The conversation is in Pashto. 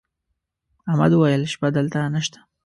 احمد وويل: شپه دلته نشته.